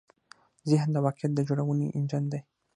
ذهن د واقعیت د جوړونې انجن دی.